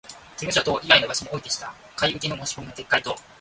事務所等以外の場所においてした買受けの申込みの撤回等